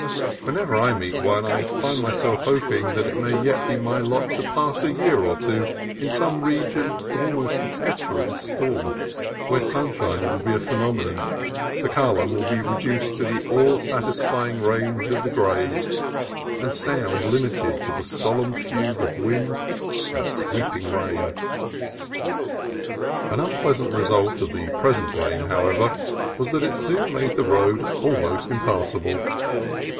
Whenever I meet one I find my self hoping that it may yet be my lot to pass a year or two in some region of almost perpetual storm; where sunshine will be a phenomenon, color will be reduced to the all satisfying range of the grays, and sound limited to the solemn fugue of wind and sweeping rain. An unpleasant result of the present rain, however, was that it soon made the road almost impassable.